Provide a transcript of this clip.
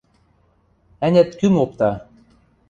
– Ӓнят-кӱм опта...